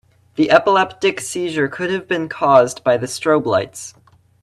The epileptic seizure could have been cause by the strobe lights.